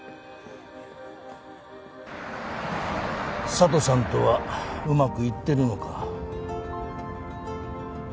佐都さんとはうまくいってるのか？